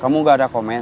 kamu gak ada komen